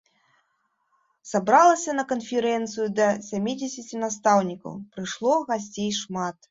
Сабралася на канферэнцыю да сямідзесяці настаўнікаў, прыйшло гасцей шмат.